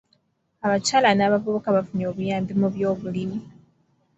Abakyala n'abavubuka bafunye obuyambi mu by'obulimi.